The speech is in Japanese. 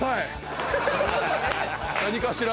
何かしら。